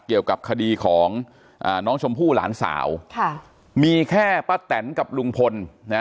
เกี่ยวกับคดีของอ่าน้องชมพู่หลานสาวค่ะมีแค่ป้าแตนกับลุงพลนะ